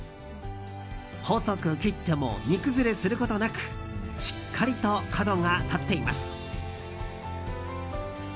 細く切っても煮崩れすることなくしっかりと角が立っています。